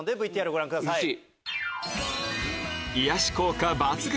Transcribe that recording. ＶＴＲご覧ください。